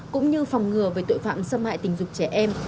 cũng như phòng ngừa về tội phạm xâm hại tình dục trẻ em